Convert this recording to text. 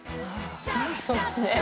そうですね。